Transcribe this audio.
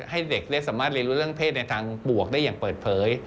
ให้เด็กได้สามารถเรียนรู้เรื่องเพศในทางบวกได้อย่างเปิดเผย